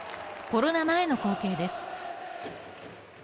コロナ前の光景です。